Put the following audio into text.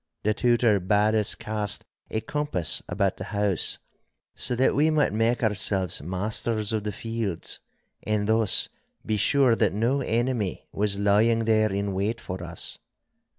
The Tutor bade us cast a compass about the house, so that we might make ourselves masters of the fields, and thus be sure that no enemy was lying there in wait for us.